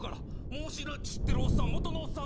もう知ってるおっさん元のおっさん